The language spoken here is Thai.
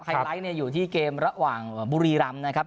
ไฮไลต์เนี่ยอยู่ที่เกมระหว่างบุรีรามน์นะครับ